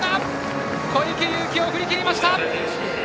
小池祐貴を振り切りました！